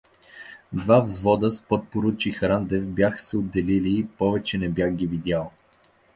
Два взвода с подпоручик Рандев бяха се отделили и повече не бях ги видял.